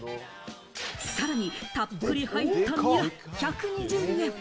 さらにたっぷり入った、ニラ１２０円！